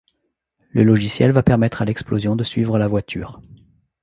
Le logiciel va permettre à l’explosion de suivre la voiture.